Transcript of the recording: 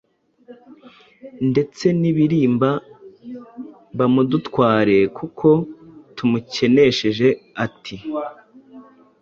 ndetse nibirimba bamudutware, kuko tumukenesheje; ati «